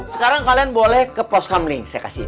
sekarang kalian boleh ke pros kamling saya kasih